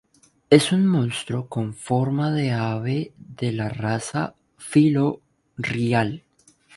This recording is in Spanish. Es un monstruo con forma de ave de la raza filo-rial.